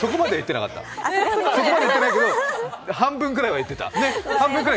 そこまでは言っていないけど、半分ぐらい言ってた。